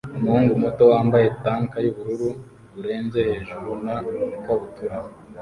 Umuhungu muto wambaye tank yubururu burenze hejuru na ikabutura